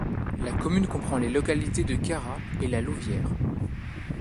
La commune comprend les localités de Cara et La Louvière.